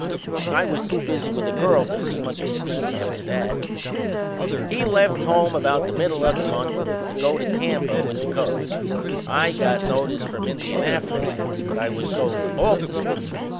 I was too busy with the girl to see much o' Speed after that. He left home about the middle o' the month to go to Tampa with the Cubs. I got notice from Indianapolis that I was sold to Baltimore.